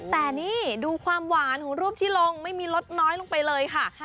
แต่นี่ดูความหวานของรูปที่ลงไม่มีลดน้อยลงไปเลยค่ะ